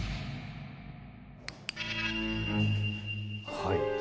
はい。